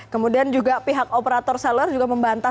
kemudian juga pihak operator seluler juga membantah